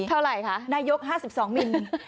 เท่าไรคะนายก๕๒มิลลิเมตร